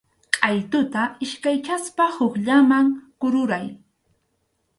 Qʼaytuta iskaychaspa hukllaman kururay.